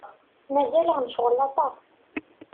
Mazal-aɣ necɣel aṭas.